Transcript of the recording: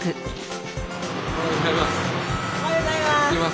おはようございます。